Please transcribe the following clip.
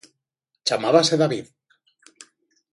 Chamábase David.